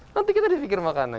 nanti kita di fikir makanan